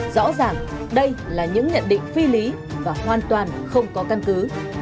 rõ ràng đây là những nhận định phi lý và hoàn toàn không có căn cứ